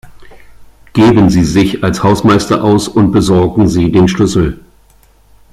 Geben Sie sich als Hausmeister aus und besorgen Sie den Schlüssel.